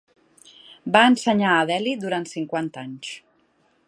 Va ensenyar a Delhi durant cinquanta anys.